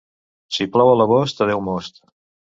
Si plou a l'agost, adeu most.